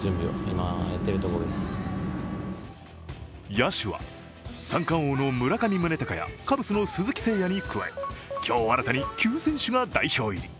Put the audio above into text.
野手は三冠王の村上宗隆やカブスの鈴木誠也に加え今日新たに９選手が代表入り。